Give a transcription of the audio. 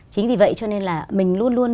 chính vì vậy cho nên là mình luôn luôn